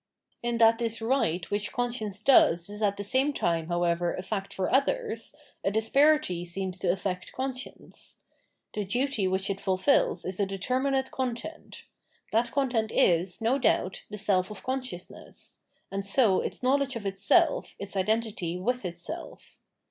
In that this right which conscience does is at the same time, however, a fact for others, a disparity seems Conscience 659 to affect conscience. The duty which it fulfils is a determinate content; that content is, no doubt, the self of consciousness, and so its knowledge of itself, its identity with its self.